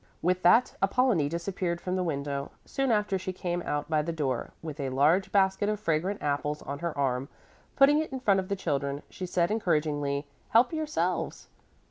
With that Apollonie disappeared from the window. Soon after she came out by the door with a large basket of fragrant apples on her arm. Putting it in front of the children, she said encouragingly, "Help yourselves."